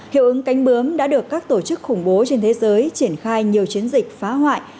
hiệu ứng cánh bướm đã được các tổ chức khủng bố trên thế giới triển khai nhiều chiến dịch phá hoại